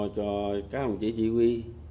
các đồng chí chỉ huy